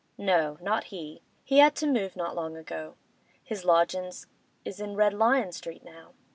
No, not he. He had to move not long ago; his lodgin's is in Red Lion Street now.